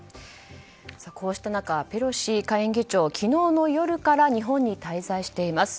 こうした中、ペロシ下院議長昨日の夜から日本に滞在しています。